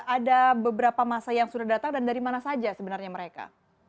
ada beberapa masa yang sudah datang dan dari mana saja sebenarnya mereka